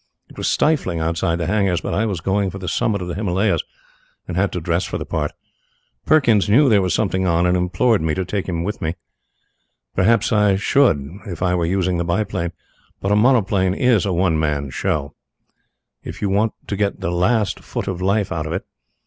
It was stifling outside the hangars, but I was going for the summit of the Himalayas, and had to dress for the part. Perkins knew there was something on and implored me to take him with me. Perhaps I should if I were using the biplane, but a monoplane is a one man show if you want to get the last foot of life out of it.